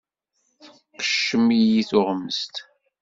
Tqeccem-iyi tuɣmest.